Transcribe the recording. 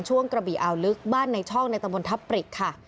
กระบี่อาวลึกบ้านในช่องในตะบนทับปริกค่ะ